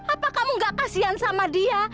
apa kamu nggak kasihan sama dia